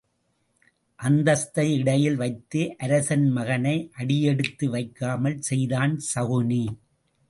அந்தஸ்தை இடையில் வைத்து அரசன் மகனை அடி யெடுத்து வைக்காமல் செய்தான் சகுனி.